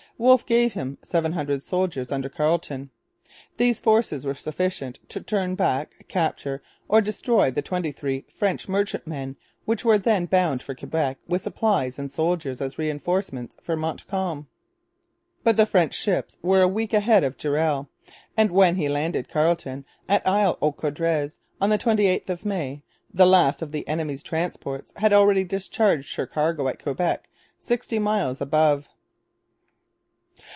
Wolfe gave him seven hundred soldiers under Carleton. These forces were sufficient to turn back, capture, or destroy the twenty three French merchantmen which were then bound for Quebec with supplies and soldiers as reinforcements for Montcalm. But the French ships were a week ahead of Durell; and, when he landed Carleton at Isle aux Coudres on the 28th of May, the last of the enemy's transports had already discharged her cargo at Quebec, sixty miles above.